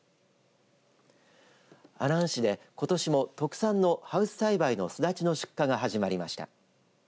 阿南市で、ことしも特産のハウス栽培のすだちの出荷が始まりました。